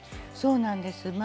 そうなんです。